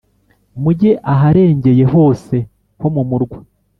Mujye aharengeye hose ho mu murwa